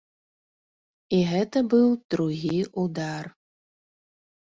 І гэта быў другі ўдар.